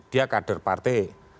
dia kader partai